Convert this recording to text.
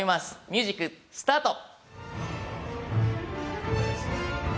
ミュージックスタート。